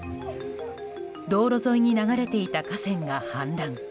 道路沿いに流れていた河川が氾濫。